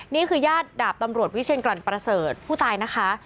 นี่คือญาติดาบตำรวจวิเชียรกรรณประเสริฐผู้ตายนะคะ